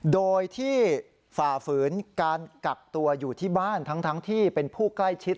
โดยที่ฝ่าฝืนการกักตัวอยู่ที่บ้านทั้งที่เป็นผู้ใกล้ชิด